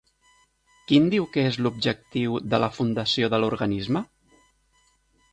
Quin diu que és l'objectiu de la fundació de l'organisme?